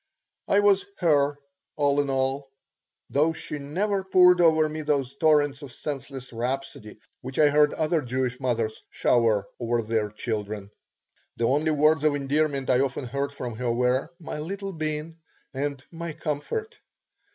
I was her all in all, though she never poured over me those torrents of senseless rhapsody which I heard other Jewish mothers shower over their children. The only words of endearment I often heard from her were, "My little bean," and, "My comfort."